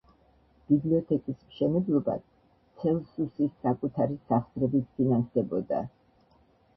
ბიბლიოთეკის მშენებლობა ცელსუსის საკუთარი სახსრებით ფინანსდებოდა.